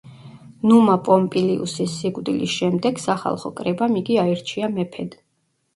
ნუმა პომპილიუსის სიკვდილის შემდეგ სახალხო კრებამ იგი აირჩია მეფედ.